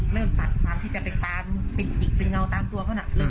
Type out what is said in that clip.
เริ่มตัดความที่จะเป็นตามเป็นอีกเป็นเงาตามตัวเขานะ